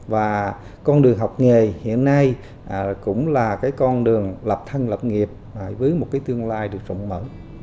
và con đường học nghề hiện nay cũng là cái con đường lập thân lập nghiệp với một cái tương lai được rộng mở